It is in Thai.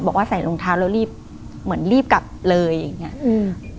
บอกว่าใส่รองเท้าแล้วรีบเหมือนรีบกลับเลยอย่างเงี้ยอืม